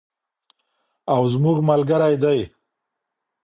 او زموږ ملګری دی.